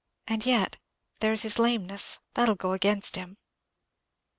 "And yet there's his lameness—that'll go against him."